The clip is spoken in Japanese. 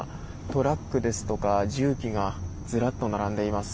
トラックですとか重機がずらっと並んでいます。